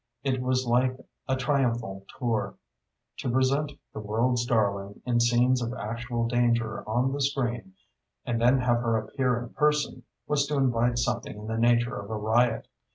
It was like a triumphal tour. To present the "world's darling" in scenes of actual danger, on the screen, and then have her appear in person, was to invite something in the nature of a riot.